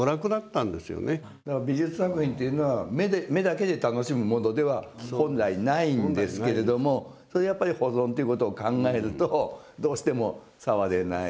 美術作品っていうのは目だけで楽しむものでは本来ないんですけれどもやっぱり保存っていうことを考えるとどうしても触れない。